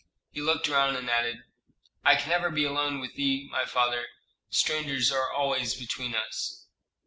He looked around, and added, "I can never be alone with thee, my father; strangers are always between us."